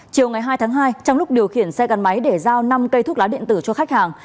chiều ngày hai tháng hai trong lúc điều khiển xe gắn máy để giao năm cây thuốc lá điện tử cho khách hàng